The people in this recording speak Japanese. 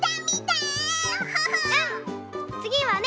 つぎはね